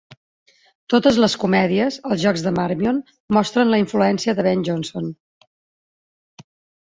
Totes les comèdies, els jocs de Marmion mostren la influència de Ben Jonson.